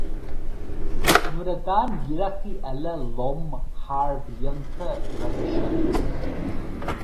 Nuair a d'fhan iarrachtaí eile lom thar bhlianta roimhe sin.